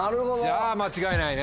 じゃあ間違いないね。